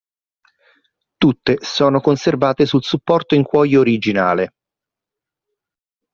Tutte sono conservate sul supporto in cuoio originale.